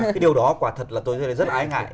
cái điều đó quả thật là tôi rất ái ngại